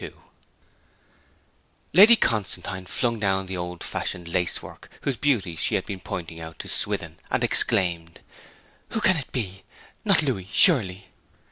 XXII Lady Constantine flung down the old fashioned lacework, whose beauties she had been pointing out to Swithin, and exclaimed, 'Who can it be? Not Louis, surely?'